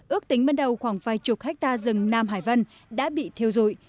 ước tính ban đầu khoảng vài chục hectare rừng nam hải vân đã bị thiêu dụi